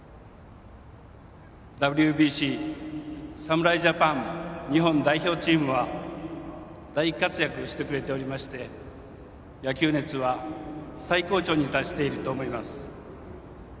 ＷＢＣ侍ジャパン、日本代表チームは大活躍してくれておりまして野球熱は最高潮に達していると思います。